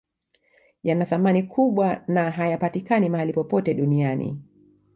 Yanathamani kubwa na hayapatikani mahali popote duniani